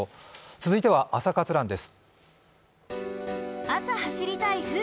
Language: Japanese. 続いては「朝活ＲＵＮ」です。